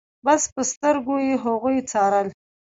بس په سترګو يې هغوی څارل.